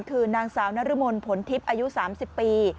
คือนางสาวนรมนผลทิพย์อายุ๓๐ปี